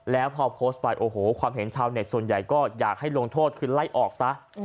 แล้วพอโพสต์ไปโอ้โหความเห็นชาวเน็ตส่วนใหญ่ก็อยากให้ลงโทษคือไล่ออกซะ